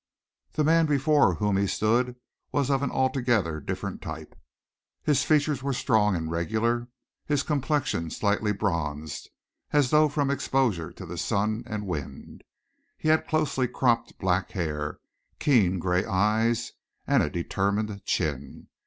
The man before whom he stood was of an altogether different type. His features were strong and regular, his complexion slightly bronzed, as though from exposure to the sun and wind. He had closely cropped black hair, keen gray eyes, and a determined chin.